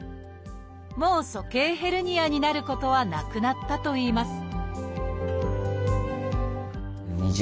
もう鼠径ヘルニアになることはなくなったといいます